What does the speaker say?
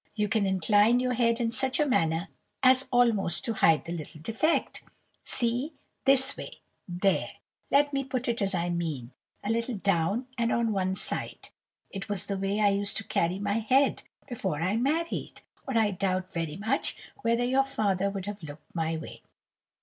you can incline your head in such a manner as almost to hide the little defect. See—this way—there—let me put it as I mean—a little down and on one side. It was the way I used to carry my head before I married, or I doubt very much whether your father would have looked my way.